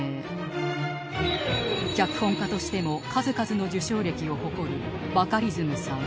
脚本家としても数々の受賞歴を誇るバカリズムさん